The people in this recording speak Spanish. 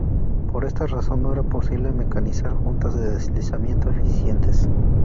Por esta razón, no era posible mecanizar juntas de deslizamiento eficientes.